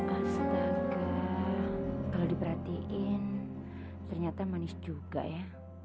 astaga kalau diperhatiin ternyata manis juga ya